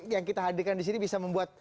yang kita hadirkan di sini bisa membuat